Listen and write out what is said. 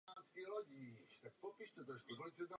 Od počátků shromáždění koncem ledna byly zraněny stovky lidí.